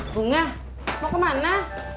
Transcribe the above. bunga mau kemana